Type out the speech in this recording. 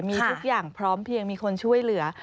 มีทุกอย่างพร้อมเพียงมีคนช่วยเหลือ